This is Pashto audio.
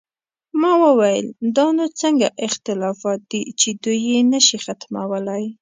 ما وویل: دا نو څنګه اختلافات دي چې دوی یې نه شي ختمولی؟